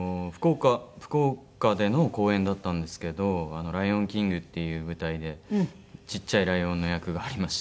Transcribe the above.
福岡での公演だったんですけど『ライオンキング』っていう舞台でちっちゃいライオンの役がありました。